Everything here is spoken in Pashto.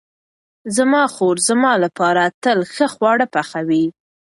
زما خور زما لپاره تل ښه خواړه پخوي.